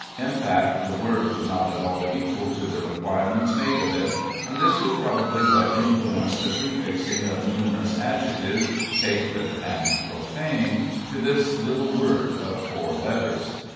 In fact, the word was not at all equal to the requirements made of it, and this was probably what influenced the prefixing of numerous adjectives, sacred and profane, to this little word of four letters.